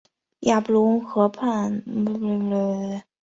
雅布龙河畔蒙布谢尔人口变化图示